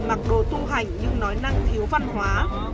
mặc đồ tu hành nhưng nói năng thiếu văn hóa